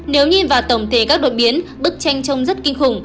nếu nhìn vào tổng thể các đột biến bức tranh trông rất kinh khủng